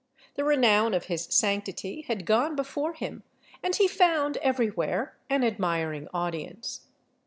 The renown of his sanctity had gone before him, and he found every where an admiring audience.